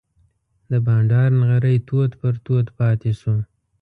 د بانډار نغری تود پر تود پاتې شو.